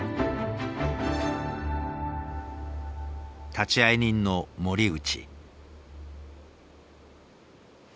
立会人の森内。